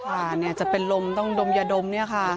ค่ะเนี่ยจะเป็นลมต้องดมยาดมเนี่ยค่ะ